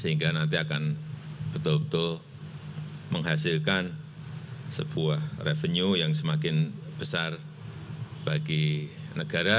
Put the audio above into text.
sehingga nanti akan betul betul menghasilkan sebuah revenue yang semakin besar bagi negara